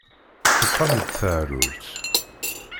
Teffeɣ-am-d teεrurt.